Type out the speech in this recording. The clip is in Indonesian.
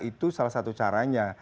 itu salah satu caranya